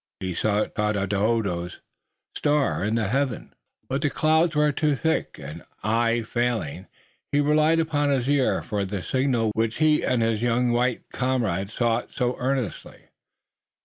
He sought Tododaho's star in the heavens, but the clouds were too thick, and, eye failing, he relied upon his ear for the signal which he and his young white comrade sought so earnestly.